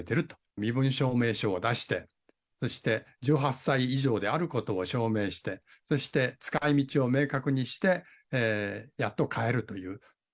身分証明書を出して、そして１８歳以上であることを証明して、そして使いみちを明確にして、やっと買えるという。